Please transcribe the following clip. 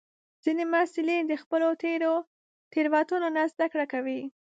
ځینې محصلین د خپلو تېرو تېروتنو نه زده کړه کوي.